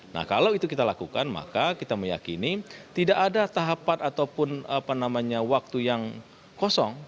nah kalau itu kita lakukan maka kita meyakini tidak ada tahapan ataupun waktu yang kosong